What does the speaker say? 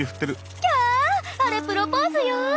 キャあれプロポーズよ！